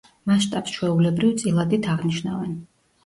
მასშტაბს ჩვეულებრივ წილადით აღნიშნავენ.